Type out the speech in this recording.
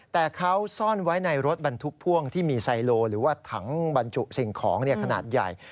แต่เขาซ่อนไว้ในรถบรรทุกพ่วงที่มีไซโลหรือว่าถังบรรจุสิ่งของขนาดใหญ่